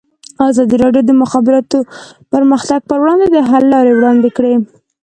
ازادي راډیو د د مخابراتو پرمختګ پر وړاندې د حل لارې وړاندې کړي.